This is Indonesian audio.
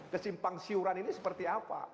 kesimpang siuran ini seperti apa